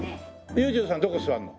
裕次郎さんどこ座るの？